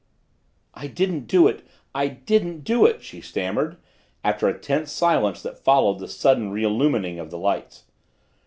"I didn't do it! I didn't do it!" she stammered, after a tense silence that followed the sudden reillumining of the lights.